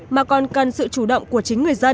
mà còn cần sự chủ động của chính người dân